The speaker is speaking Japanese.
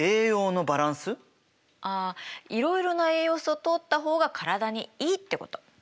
あいろいろな栄養素をとった方が体にいいってこと。